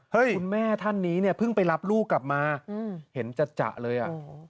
คุณแม่ท่านนี้เนี่ยเพิ่งไปรับลูกกลับมาเห็นจัดเลยอ่ะ